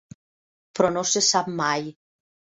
Però no se sap mai.